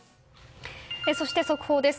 そして、速報です。